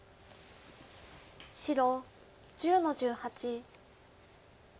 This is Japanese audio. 白１０の十八。